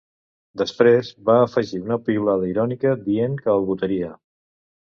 Després, va afegir una piulada irònica dient que el votaria.